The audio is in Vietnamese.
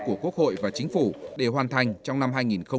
của quốc hội và chính phủ để hoàn thành trong năm hai nghìn hai mươi